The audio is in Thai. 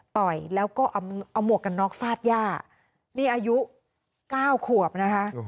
ต่อยแล้วก็เอาหมวกกันน็อกฟาดย่านี่อายุเก้าขวบนะคะ